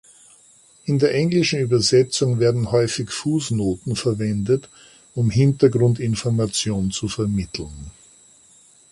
In der englischen Übersetzung werden häufig Fußnoten verwendet, um Hintergrundinformation zu vermitteln.